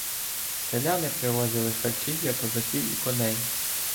Селяни привозили харчі для козаків і коней.